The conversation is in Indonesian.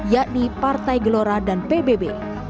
yakni partai gelora dan pbb